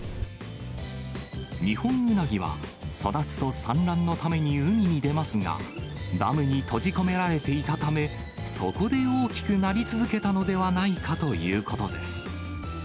ニホンウナギは、育つと産卵のために海に出ますが、ダムに閉じ込められていたため、そこで大きくなり続けたのではないかということです。